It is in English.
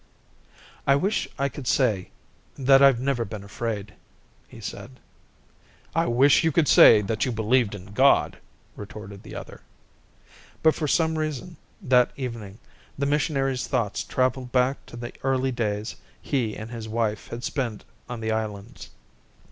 "I wish I could say that I've never been afraid," he said. "I wish you could say that you believed in God," retorted the other. But for some reason, that evening the missionary's thoughts travelled back to the early days he and his wife had spent on the islands.